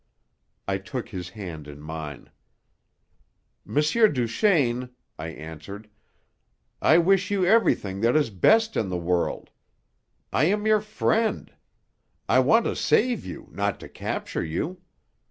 I took his hand in mine. "M. Duchaine," I answered. "I wish you everything that is best in the world. I am your friend; I want to save you, not to capture you.